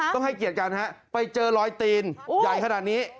ให้เกียรติกันฮะไปเจอรอยตีนใหญ่ขนาดนี้